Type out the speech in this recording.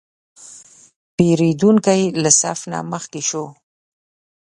پیرودونکی له صف نه مخکې شو.